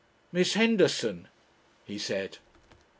"Miss Henderson," he said.